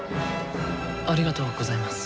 ありがとうございます。